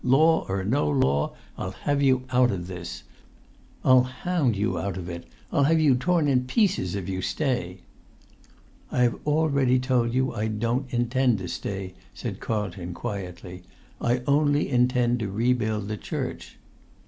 Law or no law, I'll have you out of this! I'll hound you out of it! I'll have you torn in pieces if you stay!" "I have already told you I don't intend to stay," said Carlton quietly. "I only intend to rebuild the church."